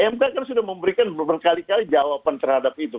mk kan sudah memberikan berkali kali jawaban terhadap itu